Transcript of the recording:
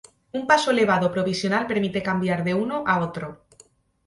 Una paso elevado provisional permite cambiar de uno a otro.